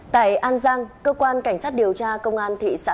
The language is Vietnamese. tại an giang cơ quan cảnh sát điều tra công an tp hcm